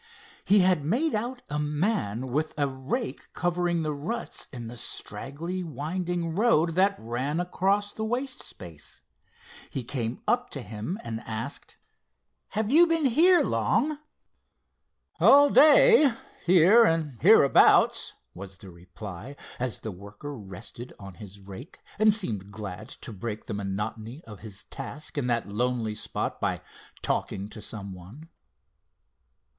He had made out a man with a rake covering the ruts in the straggly winding road that ran across the waste space. He came up with him and asked: "Have you been here long?" "All day, here and hereabouts," was the reply, as the worker rested on his rake and seemed glad to break the monotony of his task in that lonely spot by talking to some one.